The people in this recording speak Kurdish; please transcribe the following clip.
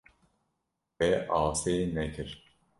We asê nekir.